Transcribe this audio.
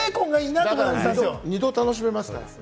２度、楽しめますから。